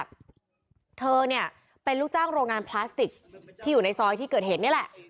เธอเนี่ยเป็นลูกจ้างโรงงานพลาสติกที่อยู่ในซอยที่เกิดเหตุนี่แหละ